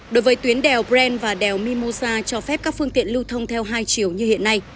đối với tuyến đèo bren và đèo mimosa cho phép các phương tiện lưu thông theo hai chiều như hiện nay